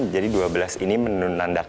jadi dua belas ini menunangkan masjid